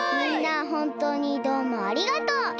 みんなほんとうにどうもありがとう！